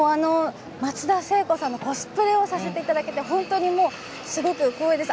松田聖子さんのコスプレをさせていただけて本当に光栄です。